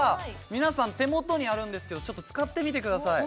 皆さん手元にあるんですけどちょっと使ってみてください